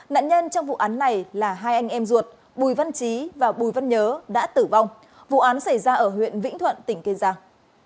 nạn nhân trong vụ án này là hai anh em ruột bùi văn trí và bùi văn nhớ đã tử vong vụ án xảy ra ở huyện vĩnh thuận tỉnh kiên giang